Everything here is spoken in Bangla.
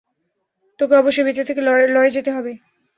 তোকে অবশ্যই বেঁচে থেকে লড়ে যেতে হবে!